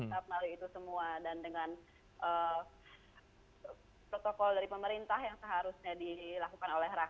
tetap melalui itu semua dan dengan protokol dari pemerintah yang seharusnya dilakukan oleh rakyat